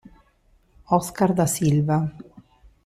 Oscar da Silva